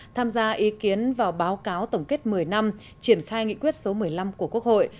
tham gia ý kiến vào báo cáo tổng kết một mươi năm triển khai nghị quyết số một mươi năm của quốc hội